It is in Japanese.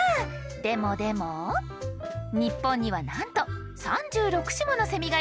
でもでも日本にはなんと３６種ものセミがいるんですよ！